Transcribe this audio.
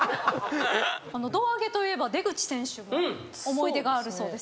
胴上げといえば出口選手も思い出があるそうですね。